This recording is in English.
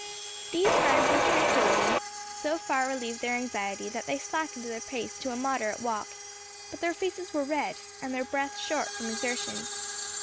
These signs of tranquillity so far relieved their anxiety, that they slackened their pace to a moderate walk, but their faces were red, and their breath short from exertion.